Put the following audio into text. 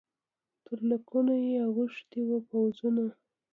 تر لکونو یې اوښتي وه پوځونه